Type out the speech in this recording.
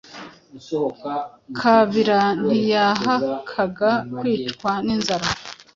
kabira ntiyahakaga kwicwa ninzara